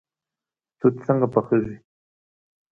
توت څنګه پخیږي؟